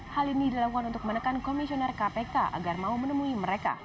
hal ini dilakukan untuk menekan komisioner kpk agar mau menemui mereka